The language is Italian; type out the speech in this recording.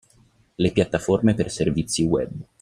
Le piattaforme per servizi web.